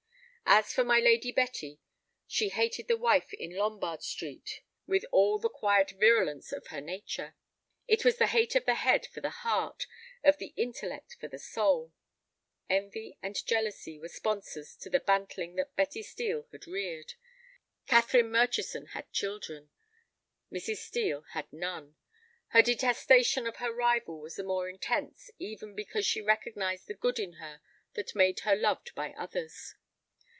As for my lady Betty, she hated the wife in Lombard Street with all the quiet virulence of her nature. It was the hate of the head for the heart, of the intellect for the soul. Envy and jealousy were sponsors to the bantling that Betty Steel had reared. Catherine Murchison had children; Mrs. Steel had none. Her detestation of her rival was the more intense even because she recognized the good in her that made her loved by others.